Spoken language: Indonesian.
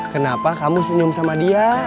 kenapa kamu senyum sama dia